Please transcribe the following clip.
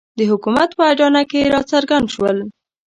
د حکومت په اډانه کې راڅرګند شول.